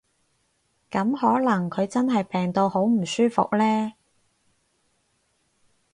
噉可能佢真係病到好唔舒服呢